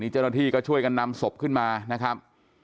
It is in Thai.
นิจจนธีก็ช่วยกันนำศพขึ้นมานะครับ